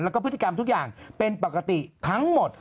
แล้วก็พฤติกรรมทุกอย่างเป็นปกติทั้งหมด